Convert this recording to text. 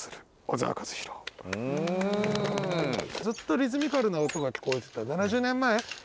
ずっとリズミカルな音が聞こえてて７０年前？